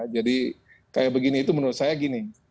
jadi kayak begini itu menurut saya gini